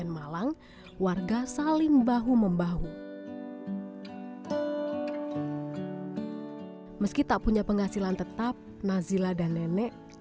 nazila selalu mengalami penyakit tersebut